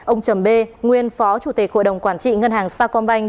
ông chầm b nguyên phó chủ tịch hội đồng quản trị ngân hàng sao con banh